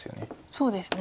そうですね。